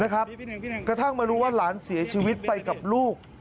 กระทั่งมารู้ว่าหลานเสียชีวิตไปกับลูก